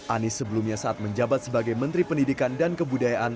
anies sebelumnya saat menjabat sebagai menteri pendidikan dan kebudayaan